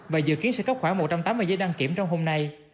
và dự kiến sẽ cấp khoảng một trăm tám mươi giấy đăng kiểm trong hôm nay